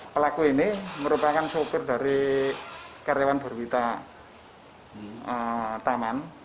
pelaku ini merupakan sopir dari karyawan berwita taman